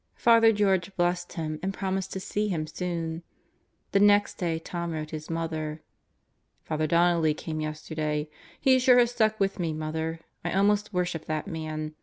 Father George blessed him and promised to see him soon. The next day Tom wrote his mother: Father Donnelly came yesterday. He sure has stuck with me, Mother. I almost worship that man.